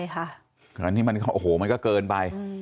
แต่อันนี้มันก็เกินไป